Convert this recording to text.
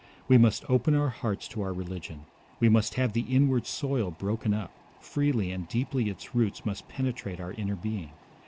We must open our hearts to our religion; we must have the inward soil broken up, freely and deeply its roots must penetrate our inner being.